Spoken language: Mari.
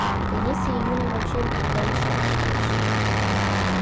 Тенийсе июньым ончен, тидлан ӱшанаш лиеш.